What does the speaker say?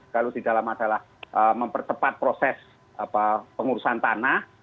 kalau di dalam adalah mempercepat proses pengurusan tanah